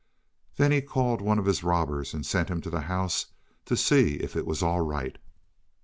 Then he called one of his robbers and sent him to the house to see if it was all right.